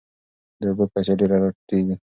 د اوبو کچه ډېره راټیټېږي.